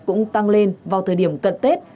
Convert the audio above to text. cũng tăng lên vào thời điểm cận tết